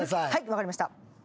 分かりました。